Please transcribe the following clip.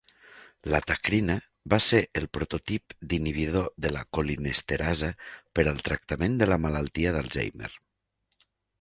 La tacrina va ser el prototip d'inhibidor de la colinesterasa per al tractament de la malaltia d'Alzheimer.